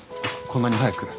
こんなに早く。